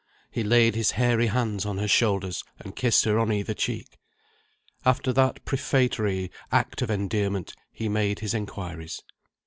He laid his hairy hands on her shoulders, and kissed her on either cheek. After that prefatory act of endearment, he made his inquiries.